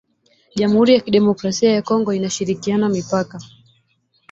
jamuhuri ya kidemokrasia ya Kongo inashirikiana mipaka